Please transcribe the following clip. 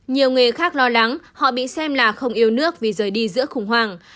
nhiều người khác lo lắng họ bị xem là không yêu nước vì rời đi giữa khủng hoảng